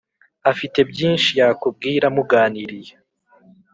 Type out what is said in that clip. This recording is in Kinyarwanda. afite byishi yakubwira muganiriye